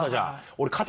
俺。